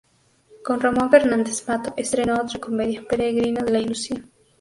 Con Ramón Fernández Mato estrenó otra comedia, "Peregrino de la ilusión".